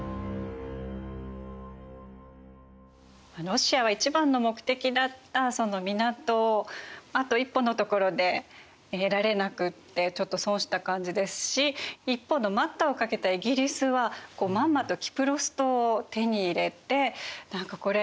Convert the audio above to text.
ロシアは一番の目的だったその港をあと一歩のところで得られなくってちょっと損した感じですし一方の待ったをかけたイギリスはまんまとキプロス島を手に入れて何かこれ